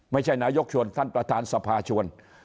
ไม่ใช่นายกชวนท่านประธานสภาชวน